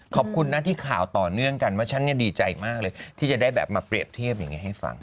ขอบคุณนะที่ข่าวต่อเนื่องกันว่าฉันดีใจมากเลยที่จะได้แบบมาเปรียบเทียบอย่างนี้ให้ฟัง